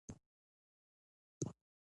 پاکوالی د ناروغیو مخه نیسي